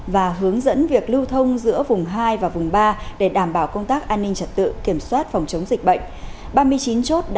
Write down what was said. và hướng dẫn việc lưu thông giữa vùng hai và vùng ba để đảm bảo công tác an ninh trật tự kiểm soát phòng chống dịch bệnh